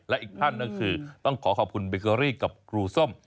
และอีกท่านก็คือต้องขอขอบคุณเบเกอรี่กับครูส้ม